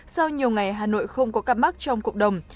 sau nhiều ngày hà nội không có ca mắc trong cộng đồng